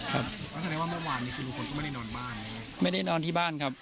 สามารถว่าเมื่อวานมีคนก็ไม่ได้นอนบ้านไม่ได้นอนที่บ้านครับ